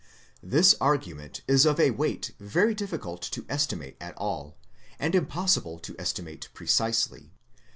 This argument is of a weight very difficult to estimate at all, and impossible to estimate pre cisely.